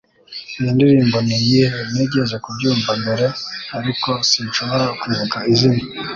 Iyi ndirimbo niyihe? Nigeze kubyumva mbere, ariko sinshobora kwibuka izina